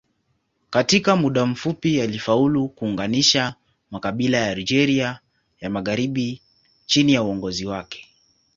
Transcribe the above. Katika muda mfupi alifaulu kuunganisha makabila ya Algeria ya magharibi chini ya uongozi wake.